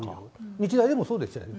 日大でもそうですよね。